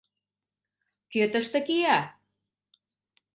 Кӧ тыште кия?